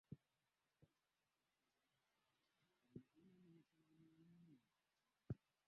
kwenye Bahari Aktiki na Pasifiki pia kwenye